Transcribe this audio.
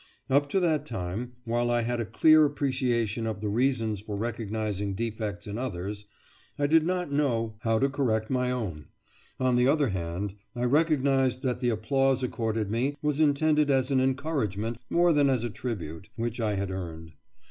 Up to that time, while I had a clear appreciation of the reasons for recognising defects in others, I did not know how to correct my own; on the other hand, I recognised that the applause accorded me was intended as an encouragement more than as a tribute which I had earned.